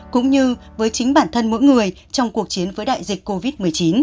cũng như với chính bản thân mỗi người trong cuộc chiến với đại dịch covid một mươi chín